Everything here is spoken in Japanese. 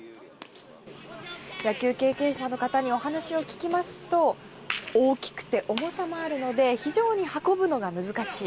野球経験者の方にお話を聞きますと大きくて重さもあるので非常に運ぶのが難しい。